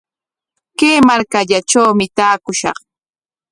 Kay markallatrawmi taakushaq.